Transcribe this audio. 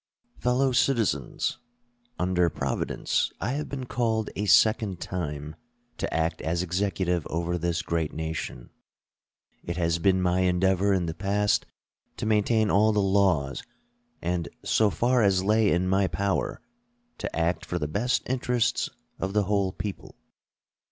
FELLOW CITIZENS: Under Providence I have been called a second time to act as Executive over this great nation. It has been my endeavor in the past to maintain all the laws, and, so far as lay in my power, to act for the best interests of the whole people.